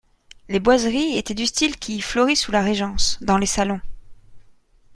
Les boiseries étaient du style qui florit sous la Régence, dans les salons.